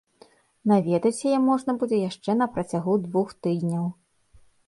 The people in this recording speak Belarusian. Наведаць яе можна будзе яшчэ на працягу двух тыдняў.